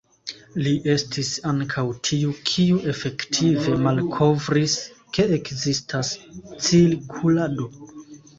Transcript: Li estis ankaŭ tiu kiu efektive malkovris ke ekzistas cirkulado.